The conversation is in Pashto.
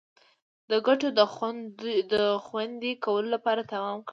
د ګټو د خوندي کولو لپاره تمام کړ.